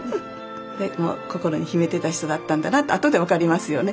心に秘めてた人だったんだなと後で分かりますよね。